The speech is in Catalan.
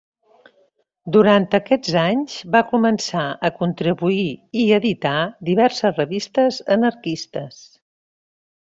Durant aquests anys, va començar a contribuir i editar diverses revistes anarquistes.